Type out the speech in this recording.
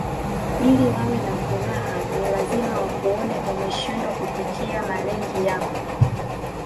Ili wawe na furaha ni lazina wakuone umeshindwa kufikia malengi yako